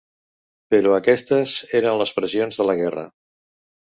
Però aquestes eren les pressions de la guerra.